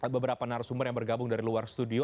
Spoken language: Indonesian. beberapa narasumber yang bergabung dari luar studio